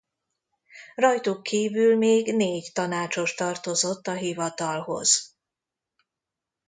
Rajtuk kívül még négy tanácsos tartozott a hivatalhoz.